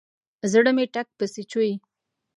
زړه مې ټک پسې چوي.